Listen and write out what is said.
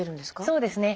そうですね。